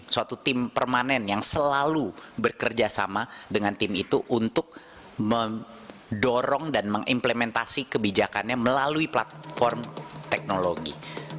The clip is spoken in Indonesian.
suatu tim permanen yang selalu bekerja sama dengan tim itu untuk mendorong dan mengimplementasi kebijakannya melalui platform teknologi